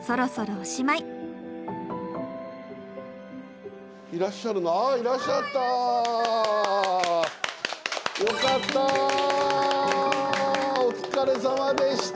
お疲れさまでした。